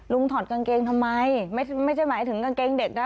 ถอดกางเกงทำไมไม่ใช่หมายถึงกางเกงเด็กนะ